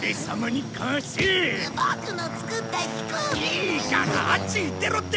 いいからあっち行ってろって！